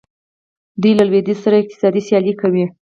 دوی له لویدیځ سره اقتصادي سیالي کوي.